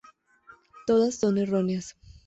Todas son erróneas.